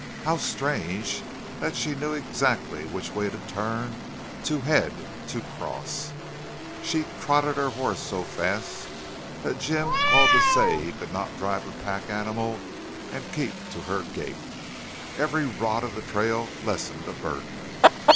How strange that she knew exactly which way to turn, to head, to cross! She trotted her horse so fast that Jim called to say he could not drive a pack animal and keep to her gait. Every rod of the trail lessened a burden.